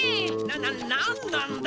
ななんなんだ？